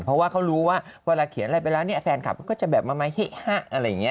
เพราะว่าเขารู้ว่าเวลาเขียนอะไรไปแล้วเนี่ยแฟนคลับเขาก็จะแบบมาไม้เฮะอะไรอย่างนี้